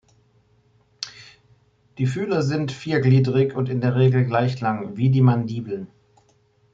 Die Fühler sind viergliedrig und in der Regel gleich lang, wie die Mandibeln.